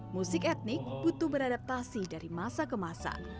musik etnik butuh beradaptasi dari masa ke masa